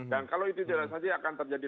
dan kalau tidak akan terjadi